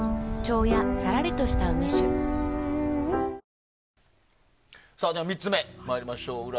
裏側３つ目に参りましょう。